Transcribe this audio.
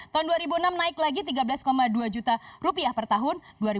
tahun dua ribu enam naik lagi tiga belas dua juta rupiah per tahun